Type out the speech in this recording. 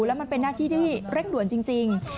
แล้วมันเป็นหน้าที่ที่เร่งด่วนจริง